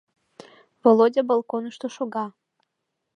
Володя балконышто шога.